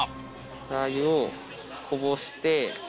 ラー油をこぼして。